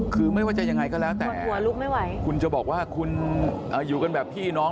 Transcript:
คือไม่ว่าจะอย่างไรก็แล้วแต่คุณจะบอกว่าคุณอยู่กันแบบพี่น้อง